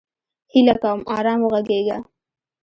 هیله کوم! ارام وغږیږه!